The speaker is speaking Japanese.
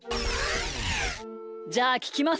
じゃあききます。